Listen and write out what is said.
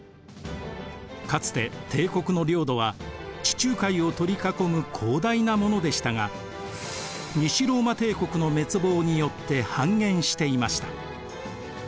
かつて帝国の領土は地中海を取り囲む広大なものでしたが西ローマ帝国の滅亡によって半減していました。